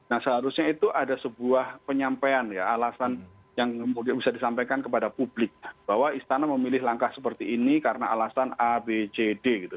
nah seharusnya itu ada sebuah penyampaian ya alasan yang kemudian bisa disampaikan kepada publik bahwa istana memilih langkah seperti ini karena alasan a b c d gitu